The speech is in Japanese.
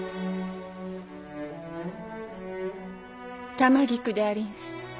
玉菊でありんす。